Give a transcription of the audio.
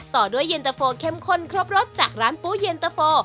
ต่อด้วยเย็นตะโฟเข้มข้นครบรสจากร้านปูเย็นตะโฟ